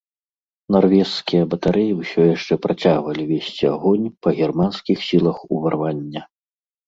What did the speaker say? Нарвежскія батарэі ўсё яшчэ працягвалі весці агонь па германскіх сілах уварвання.